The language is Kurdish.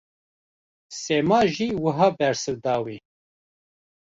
Sema jî wiha bersiv da wî.